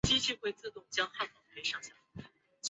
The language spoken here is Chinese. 一般而言十字滑块联轴器会配合弹簧以减少机构中的。